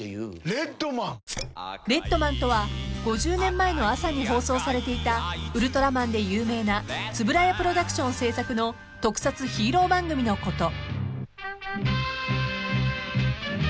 ［『レッドマン』とは５０年前の朝に放送されていた『ウルトラマン』で有名な円谷プロダクション制作の特撮ヒーロー番組のこと］